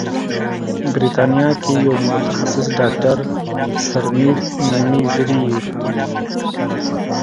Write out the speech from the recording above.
بریتانیا کې یو متخصص ډاکتر سرمید میزیر